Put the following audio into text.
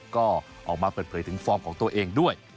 ก็ออกมาเปิดเผยถึงฟอร์มของตัวเองด้วย